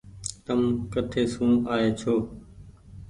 تم ڪٺي سون آئي ڇو۔